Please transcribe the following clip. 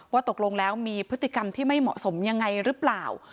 ตกลงแล้วมีพฤติกรรมที่ไม่เหมาะสมยังไงหรือเปล่า